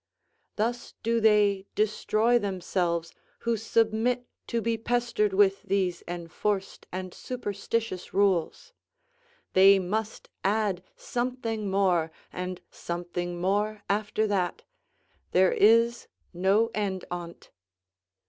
Thus do they destroy themselves who submit to be pestered with these enforced and superstitious rules; they must add something more, and something more after that; there is no end on't.